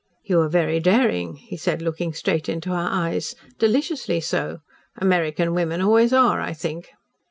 "You are very daring," he said, looking straight into her eyes "deliciously so. American women always are, I think."